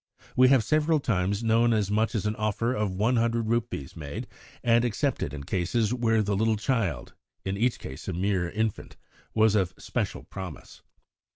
We have several times known as much as an offer of one hundred rupees made and accepted in cases where the little child (in each case a mere infant) was one of special promise.